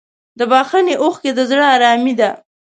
د بښنې اوښکې د زړه ارامي ده.